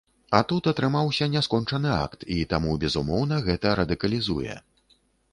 А тут атрымаўся няскончаны акт, і таму, безумоўна, гэта радыкалізуе.